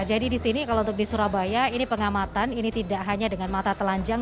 jadi di sini kalau untuk di surabaya ini pengamatan ini tidak hanya dengan mata telanjang